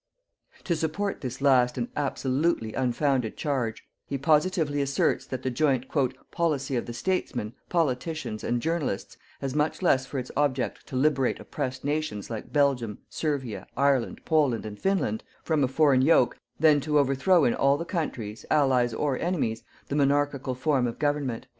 To support this last and absolutely unfounded charge, he positively asserts that the joint "_policy of the statesmen, politicians and journalists, has much less for its object to liberate oppressed nations like Belgium, Servia_, IRELAND, _Poland and Finland, from a foreign yoke, than to overthrow in all the countries, allies or enemies, the monarchical form of government_."